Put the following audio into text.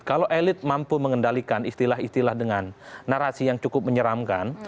kalau elit mampu mengendalikan istilah istilah dengan narasi yang cukup menyeramkan